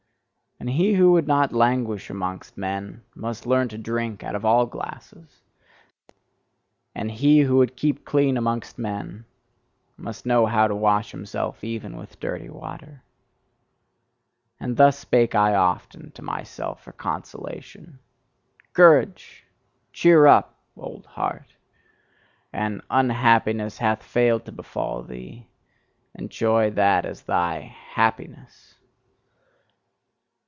And he who would not languish amongst men, must learn to drink out of all glasses; and he who would keep clean amongst men, must know how to wash himself even with dirty water. And thus spake I often to myself for consolation: "Courage! Cheer up! old heart! An unhappiness hath failed to befall thee: enjoy that as thy happiness!"